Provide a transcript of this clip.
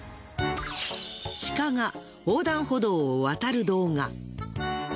シカが横断歩道を渡る動画。